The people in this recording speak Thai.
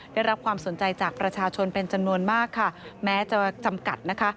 ได้รับความสนใจจากประชาชนเป็นจำนวนมากค่ะแม้จะจำกัดนะคะ